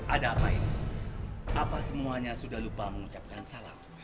ada apa ini apa semuanya sudah lupa mengucapkan salam